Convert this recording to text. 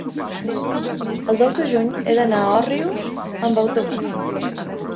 el dos de juny he d'anar a Òrrius amb autobús.